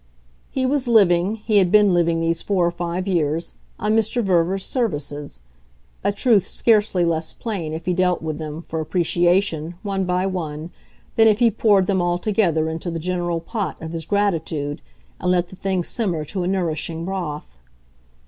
He was living, he had been living these four or five years, on Mr. Verver's services: a truth scarcely less plain if he dealt with them, for appreciation, one by one, than if he poured them all together into the general pot of his gratitude and let the thing simmer to a nourishing broth.